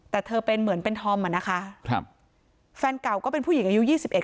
แต่เธอเป็นเหมือนเป็นธอมอ่ะนะคะครับแฟนเก่าก็เป็นผู้หญิงอายุ๒๑